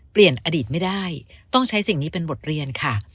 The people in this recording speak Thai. อดีตไม่ได้ต้องใช้สิ่งนี้เป็นบทเรียนค่ะ